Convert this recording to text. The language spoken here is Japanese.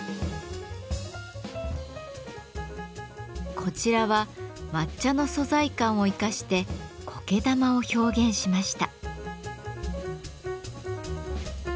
こちらは抹茶の素材感を生かして苔玉を表現しました。